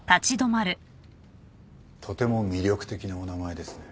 とても魅力的なお名前ですね。